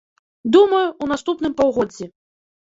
Думаю, у наступным паўгоддзі.